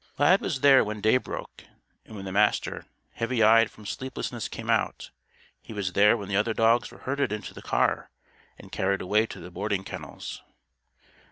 Lad was there when day broke and when the Master, heavy eyed from sleeplessness, came out. He was there when the other dogs were herded into the car and carried away to the boarding kennels.